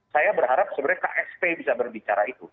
saya berharap sebenarnya ksp bisa berbicara itu